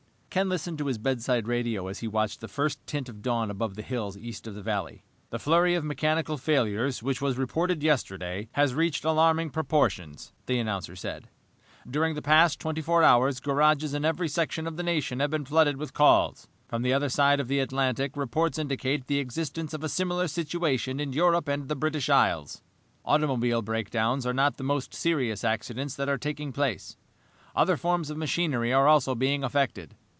Ken listened to his bedside radio as he watched the first tint of dawn above the hills east of the valley. "The flurry of mechanical failures, which was reported yesterday, has reached alarming proportions," the announcer said. "During the past 24 hours garages in every section of the nation have been flooded with calls. From the other side of the Atlantic reports indicate the existence of a similar situation in Europe and in the British Isles. "Automobile breakdowns are not the most serious accidents that are taking place. Other forms of machinery are also being affected.